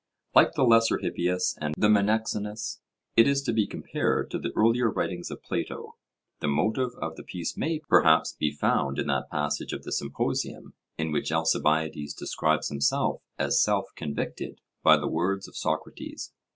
Like the Lesser Hippias and the Menexenus, it is to be compared to the earlier writings of Plato. The motive of the piece may, perhaps, be found in that passage of the Symposium in which Alcibiades describes himself as self convicted by the words of Socrates.